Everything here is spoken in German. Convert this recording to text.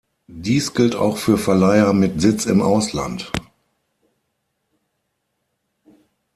Dies gilt auch für Verleiher mit Sitz im Ausland.